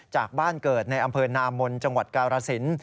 จากบ้านเกิดในอำเภอนามนจังหวัดกาลสิน